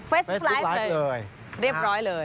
เรียบร้อยเลย